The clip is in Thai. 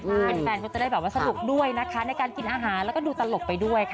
แล้วแฟนก็จะได้สนุกด้วยในการกินอาหารแล้วก็ดูตลกไปด้วยค่ะ